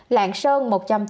lạng sơn một trăm tám mươi chín